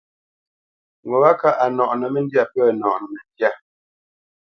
Ŋo wâ kâʼ a nɔʼnə́ məndyâ pə̂ nɔʼnə məndyâ.